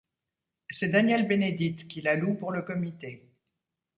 C'est Daniel Bénédite qui la loue pour le Comité.